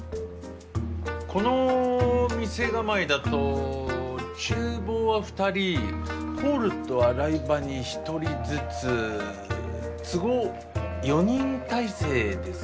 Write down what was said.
この店構えだと厨房は２人ホールと洗い場に１人ずつ都合４人体制ですか？